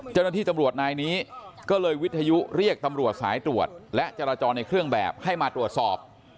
เจ้าหน้าที่ตำรวจนายนี้ก็เลยวิทยุเรียกตำรวจสายตรวจและจราจรในเครื่องแบบให้มาตรวจสอบ